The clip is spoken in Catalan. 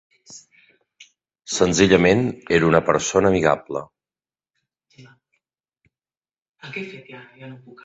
Senzillament era una persona amigable.